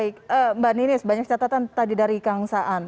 baik mbak ninis banyak catatan tadi dari kang saan